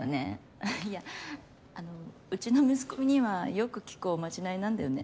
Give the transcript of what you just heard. ははっいやあのうちの息子にはよく効くおまじないなんだよね。